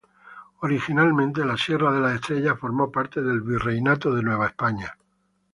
Originalmente la Sierra de las Estrellas formó parte del Virreinato de Nueva España.